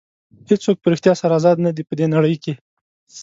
هېڅوک په ریښتیا سره ازاد نه دي په دې نړۍ کې.